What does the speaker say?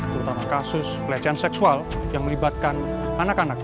terutama kasus pelecehan seksual yang melibatkan anak anak